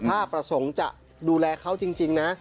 ถ้าประสงค์จะดูแลเขาจริงนะ